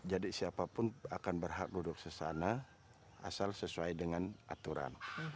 jadi siapapun akan berhak duduk sesana asal sesuai dengan aturan